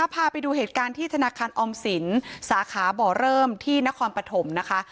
พาไปดูเหตุการณ์ที่ธนาคารออมสินสาขาบ่อเริ่มที่นครปฐมนะคะ